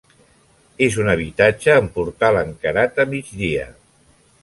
És un habitatge amb portal encarat a migdia.